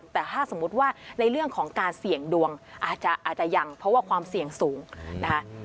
แต่ถ้าสมมุติว่าในเรื่องของการเสี่ยงดวงอาจจะยังเพราะว่าความเสี่ยงสูงนะคะ